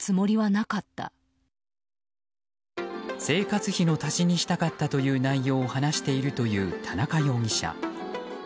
生活費の足しにしたかったという内容を話しているという田中容疑者。